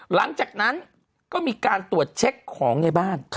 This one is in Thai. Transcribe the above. หลังจากนั้นก็มีการตรวจเช็คของในบ้าน